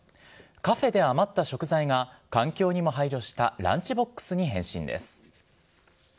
カフェで余った食材が、環境にも配慮したランチボックスに変身です。